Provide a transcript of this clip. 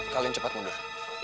kalian cepat mundur